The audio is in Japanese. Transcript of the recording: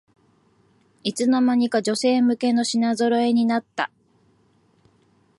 いつの間にか女性向けの品ぞろえになった